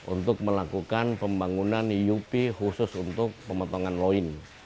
untuk melakukan pembangunan iupi khusus untuk pemotongan loin